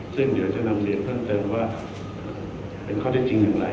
ซึ่งเดี๋ยวจะนำเรียนเพิ่มเติมว่าเป็นข้อเท็จจริงอย่างไร